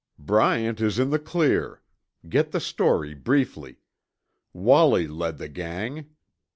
"Bryant is in the clear. Get the story briefly. Wallie led the gang.